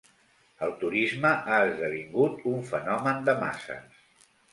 El turisme ha esdevingut un fenomen de masses.